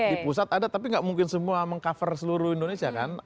di pusat ada tapi nggak mungkin semua meng cover seluruh indonesia kan